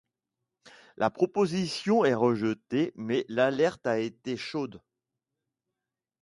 La proposition est rejetée mais l’alerte a été chaude.